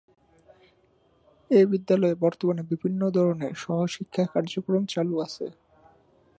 এ বিদ্যালয়ে বর্তমানে বিভিন্ন ধরনের সহ-শিক্ষা কার্যক্রম চালু আছে।